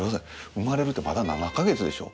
生まれるってまだ７か月でしょ。